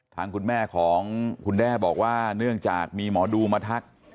ทางคุณแม่ของคุณแด้บอกว่าเนื่องจากมีหมอดูมาทัก